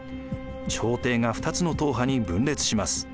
朝廷が二つの統派に分裂します。